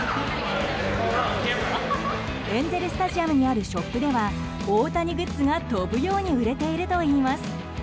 エンゼル・スタジアムにあるショップでは大谷グッズが飛ぶように売れているといいます。